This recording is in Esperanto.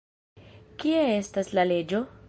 Kie estas la leĝo?